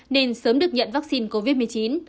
nên sớm được nhận vaccine covid một mươi chín